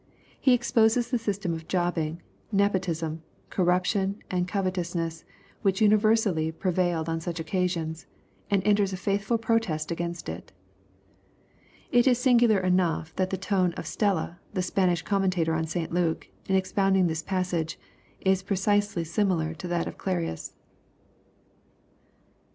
He "exposes the system of jobbing, nepotism, corruption, and covet ousness, which universally prevailed on such occasions, and entera A faithful protest against it It is singular enough that the tone of Stella, the Spanish com mentator on St Luke, in expounding this passage, is precisely similar to that of Clarius.